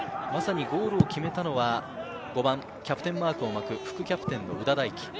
ゴールを決めたのは５番、キャプテンマークを巻く副キャプテンの夘田大揮。